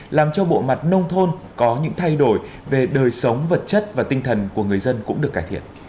làm cho bộ mặt nông thôn có những thay đổi về đời sống vật chất và tinh thần của người dân cũng được cải thiện